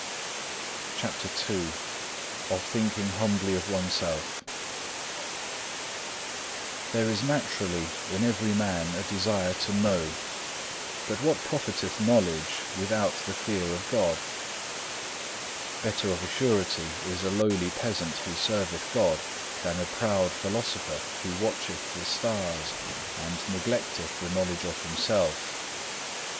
(1) John viii. 12. (2) Revelations ii. 17. (3) Ecclesiastes i. 8. CHAPTER II Of thinking humbly of oneself There is naturally in every man a desire to know, but what profiteth knowledge without the fear of God? Better of a surety is a lowly peasant who serveth God, than a proud philosopher who watcheth the stars and neglecteth the knowledge of himself.